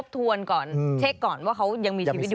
ทวนก่อนเช็คก่อนว่าเขายังมีชีวิตอยู่